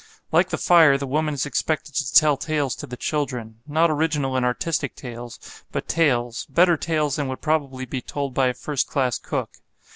Like the fire, the woman is expected to tell tales to the children, not original and artistic tales, but tales better tales than would probably be told by a first class cook.